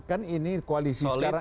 kan ini koalisi sekarang